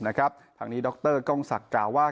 ทางนี้ดรกล้องศักดิ์กล่าวว่า